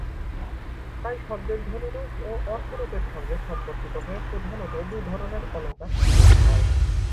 তাই শব্দের ধ্বনিরূপ ও অর্থরূপের সঙ্গে সম্পর্কিত হয়ে প্রধানত দু ধরনের অলঙ্কার সৃষ্টি হয়।